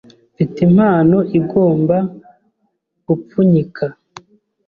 Mfite impano igomba gupfunyika.